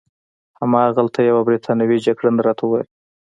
هماغلته یوه بریتانوي جګړن راته وویل.